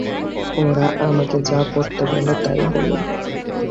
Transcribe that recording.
ওরা আমাকে যা পরতে বলে তাই পরি।